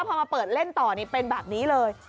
พอมาเปิดเล่นต่อนี่เป็นแบบนี้เลย